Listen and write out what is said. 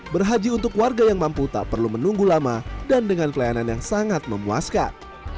berhaji untuk warga yang mampu tak perlu menunggu lama dan dengan pelayanan yang sangat memuaskan